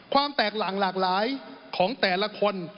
ความแตกหลังหลากหลายของแต่ละคน